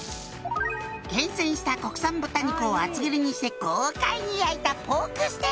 「厳選した国産豚肉を厚切りにして豪快に焼いた」